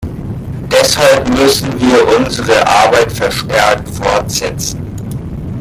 Deshalb müssen wir unsere Arbeit verstärkt fortsetzen.